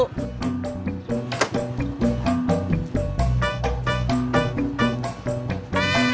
pernah ga mau menunggu